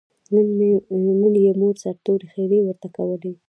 نن یې مور سرتور ښېرې ورته کولې.